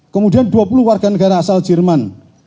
kemudian dua puluh warga negara asal jerman